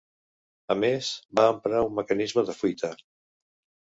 A més, va emprar un mecanisme de fuita.